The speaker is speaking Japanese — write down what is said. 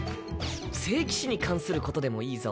聖騎士に関することでもいいぞ。